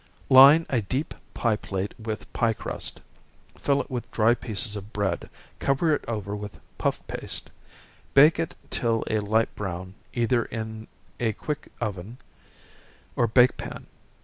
_ Line a deep pie plate with pie crust fill it with dry pieces of bread, cover it over with puff paste bake it till a light brown, either in a quick oven or bake pan.